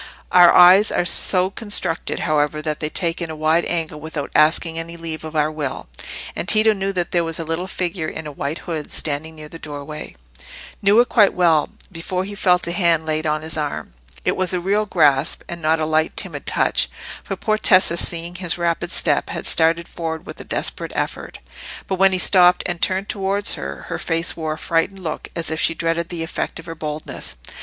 Our eyes are so constructed, however, that they take in a wide angle without asking any leave of our will; and Tito knew that there was a little figure in a white hood standing near the doorway—knew it quite well, before he felt a hand laid on his arm. It was a real grasp, and not a light, timid touch; for poor Tessa, seeing his rapid step, had started forward with a desperate effort. But when he stopped and turned towards her, her face wore a frightened look, as if she dreaded the effect of her boldness.